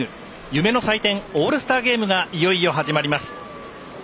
夢の祭典、オールスターゲームがいよいよ、始まります。